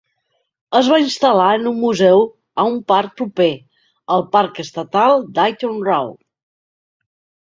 Es va instal·lar en un museu a un parc proper, el parc estatal Dighton Rock.